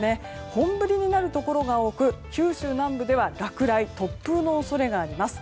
本降りになるところが多く九州南部では落雷や突風の恐れがあります。